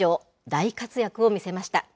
大活躍を見せました。